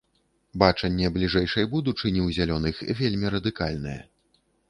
Бачанне бліжэйшай будучыні ў зялёных вельмі радыкальнае.